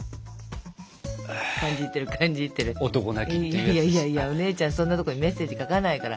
いやいやいやお姉ちゃんそんなとこにメッセージ書かないから。